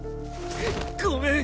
ごめん！